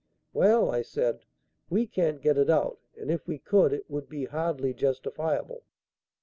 "Well," I said, "we can't get it out; and if we could, it would be hardly justifiable."